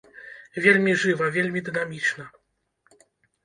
Вельмі жыва, вельмі дынамічна!